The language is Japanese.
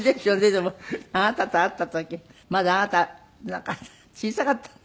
でもあなたと会った時まだあなたなんか小さかったね。